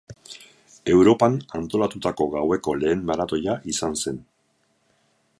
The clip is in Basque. Europan antolatutako gaueko lehen maratoia izan zen.